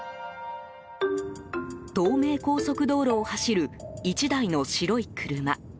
東名高速道路を走る１台の白い車。